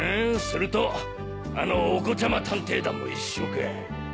するとあのお子ちゃま探偵団も一緒かぁ。